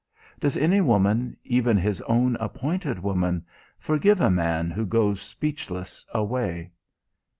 Does any woman, even his own appointed woman, forgive a man who goes speechless away?